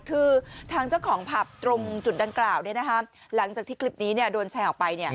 คือทางเจ้าของผับตรงจุดดังกล่าวหลังจากที่คลิปนี้โดนแชร์ออกไป